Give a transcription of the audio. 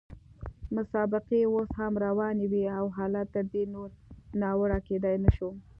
مسابقې اوس هم روانې وې او حالت تر دې نور ناوړه کېدای نه شو.